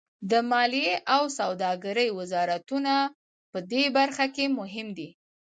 د مالیې او سوداګرۍ وزارتونه پدې برخه کې مهم دي